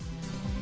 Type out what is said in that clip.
ketiga ini rp